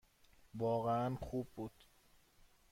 واقعاً خوب بود.